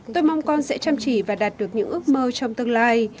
tôi mong con sẽ chăm chỉ và đạt được những ước mơ trong tương lai